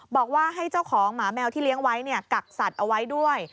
บอกว่าให้เจ้าของหมาแมวที่เลี้ยงไว้กักสัตว์เอาไว้ด้วย